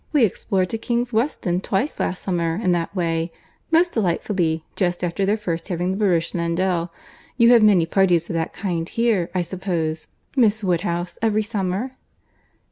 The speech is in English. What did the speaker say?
We explored to King's Weston twice last summer, in that way, most delightfully, just after their first having the barouche landau. You have many parties of that kind here, I suppose, Miss Woodhouse, every summer?"